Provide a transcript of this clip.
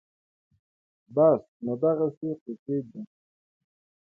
بس نو دغسې قېصې دي